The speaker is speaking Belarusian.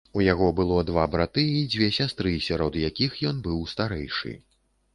У яго было два браты і дзве сястры, сярод якіх ён быў старэйшы.